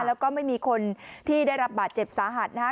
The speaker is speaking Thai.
แล้วก็ไม่มีคนที่ได้รับบาดเจ็บสาหัสนะฮะ